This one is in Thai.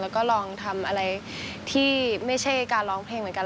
แล้วก็ลองทำอะไรที่ไม่ใช่การร้องเพลงเหมือนกัน